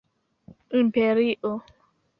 imperio